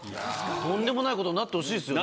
とんでもないことになってほしいですよね。